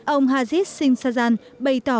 ông hazid singh sajjan bày tỏ